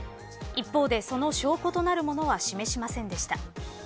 一方で、その証拠となるものは示しませんでした。